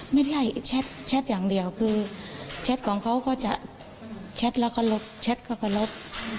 ไม่ได้แชทอย่างเดียวคือแชทของเขาก็จะแชทแล้วก็ลบแชทเขาก็ลบ